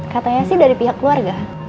katanya sih dari pihak keluarga